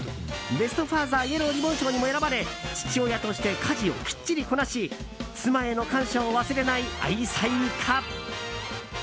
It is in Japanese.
ベストファーザーイエローリボン賞にも選ばれ父親として家事をきっちりこなし妻への感謝を忘れない愛妻家。